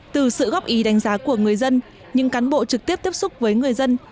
từ sự góp ý đánh giá của người dân những cán bộ trực tiếp tiếp xúc với người dân